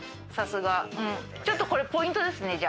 さすがちょっとこれポイントですね。